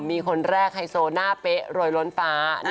มีคนแรกไฮโซหน้าเป๊ะรวยล้นฟ้า